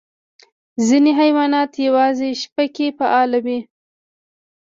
ځینې حیوانات یوازې شپه کې فعال وي.